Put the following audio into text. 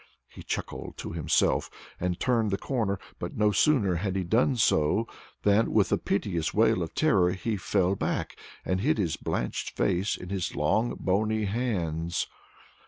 He chuckled to himself, and turned the corner; but no sooner had he done so than, with a piteous wail of terror, he fell back, and hid his blanched face in his long, bony hands.